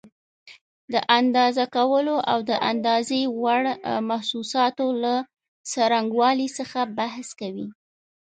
د اندازه کولو او د اندازې وړ محسوساتو له څرنګوالي څخه بحث کوي.